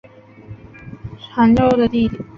韩绛的弟弟。